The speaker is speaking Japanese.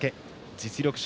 実力者